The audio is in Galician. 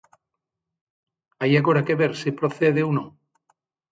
¿Hai agora que ver se procede ou non?